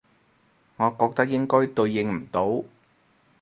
我覺得應該對應唔到